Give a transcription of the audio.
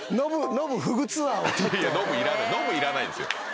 ノブいらないんですよ。